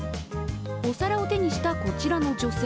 お皿を手にしたこちらの女性。